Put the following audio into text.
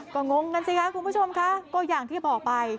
ก็งงกันสิคะคุณผู้ชมค่ะก็อย่างที่บอกไป